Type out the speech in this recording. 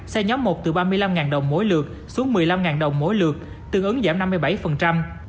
xe nhóm một từ ba mươi năm đồng mỗi lượt xuống một mươi năm đồng mỗi lượt tương ứng giảm năm mươi bảy